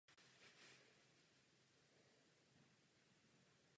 Přístav je velmi dobře situován.